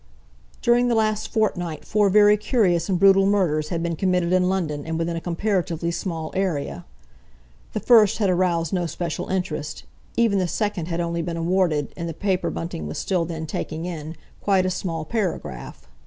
During the last fortnight four very curious and brutal murders had been committed in London and within a comparatively small area. The first had aroused no special interest—even the second had only been awarded, in the paper Bunting was still then taking in, quite a small paragraph.